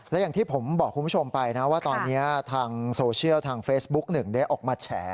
และอย่างที่ผมบอกคุณผู้ชมไปนะว่าตอนนี้ทางโซเชียลทางเฟซบุ๊กหนึ่งได้ออกมาแฉ